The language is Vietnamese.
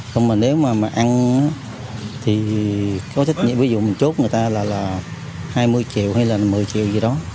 còn nếu mà ăn thì có thích nhiệm ví dụ mình chốt người ta là hai mươi triệu hay là một mươi triệu gì đó